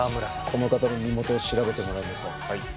この方の身元を調べてもらいなさい。